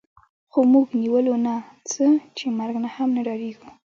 خو موږ نیولو نه څه چې مرګ نه هم نه ډارېږو